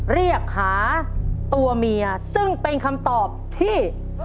เรียกหาตัวเมียซึ่งเป็นคำตอบที่